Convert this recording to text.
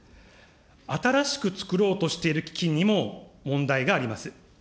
新しくつくろうとしている基金にも、問題があります。